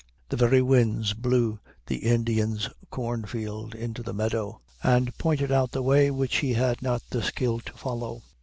The very winds blew the Indian's cornfield into the meadow, and pointed out the way which he had not the skill to follow.